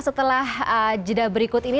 setelah jeda berikut ini